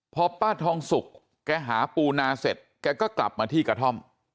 พอป้าทองสุกแกหาปูนาเสร็จแกก็กลับมาที่กระท่อม